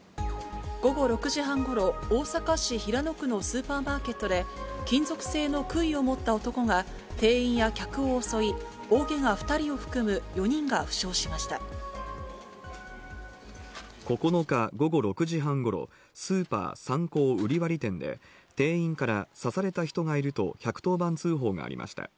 午後６時半ごろ、大阪市平野区のスーパーマーケットで、金属製のくいを持った男が、店員や客を襲い、大けが２人を含９日午後６時半ごろ、スーパーサンコー瓜破店で店員から刺された人がいると、１１０番通報がありました。